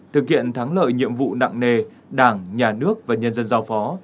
thực hiện thắng lợi nhiệm vụ nặng nề đảng nhà nước và nhân dân giao phó